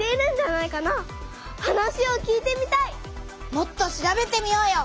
もっと調べてみようよ！